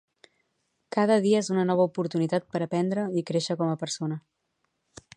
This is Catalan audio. Cada dia és una nova oportunitat per aprendre i créixer com a persona.